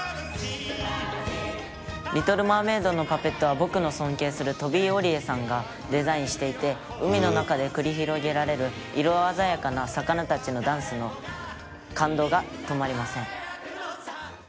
「『リトルマーメイド』のパペットは僕の尊敬するトビー・オリエさんがデザインしていて海の中で繰り広げられる色鮮やかな魚たちのダンスの感動が止まりません」